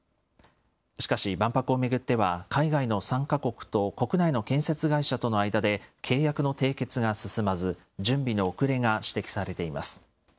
しかし、万博を巡っては、海外の参加国と国内の建設会社との間で契約の締結が進まず、準備の遅れが指摘されています。